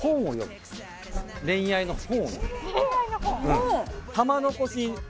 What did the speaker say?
恋愛の本？